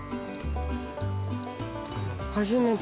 初めて。